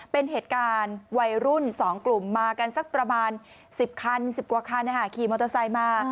เป็นเหตุการณ์วัยรุ่น๒กลุ่มมากันสักประมาณ๑๐คัน๑๐กว่าคันขี่มอเตอร์ไซค์มา